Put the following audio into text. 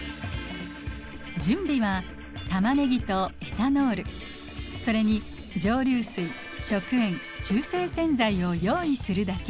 準備はタマネギとエタノールそれに蒸留水食塩中性洗剤を用意するだけ。